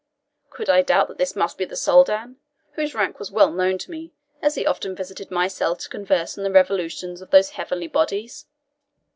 Could I doubt that this must be the Soldan, whose rank was well known to me, as he often visited my cell to converse on the revolutions of the heavenly bodies?